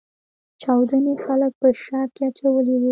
چاودنې خلګ په شک کې اچولي وو.